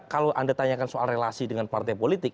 kalau anda tanyakan soal relasi dengan partai politik